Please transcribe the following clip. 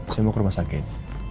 saya mau ke rumah sakit